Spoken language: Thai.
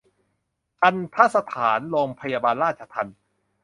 ทัณฑสถานโรงพยาบาลราชทัณฑ์